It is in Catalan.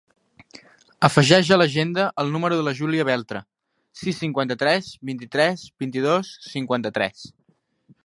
Afegeix a l'agenda el número de la Júlia Beltre: sis, cinquanta-tres, vint-i-tres, vint-i-dos, cinquanta-tres.